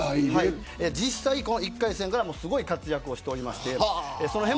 実際１回戦からすごい活躍をしています。